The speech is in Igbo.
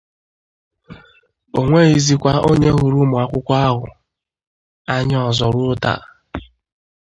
o nweghịzịkwa onye hụrụ ụmụakwụkwọ ahụ anya ọzọ ruo taa